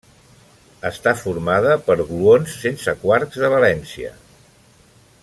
Està formada per gluons sense quarks de valència.